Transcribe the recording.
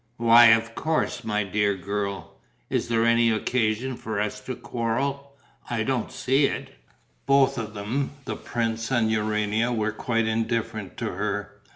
"Why, of course, my dear girl. Is there any occasion for us to quarrel? I don't see it." Both of them, the prince and Urania, were quite indifferent to her.